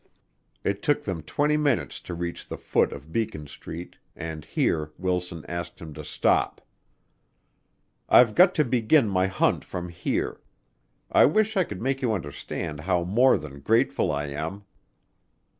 It took them twenty minutes to reach the foot of Beacon street, and here Wilson asked him to stop. "I've got to begin my hunt from here. I wish I could make you understand how more than grateful I am."